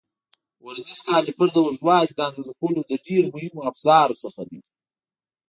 ورنیز کالیپر د اوږدوالي د اندازه کولو له ډېرو مهمو افزارو دی.